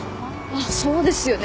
あそうですよね。